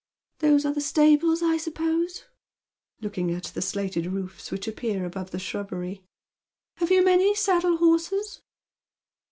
" Those are the stables, I suppose," looking at the slated roofs which appear just above the shrubbery. ^ Have you many saddle horses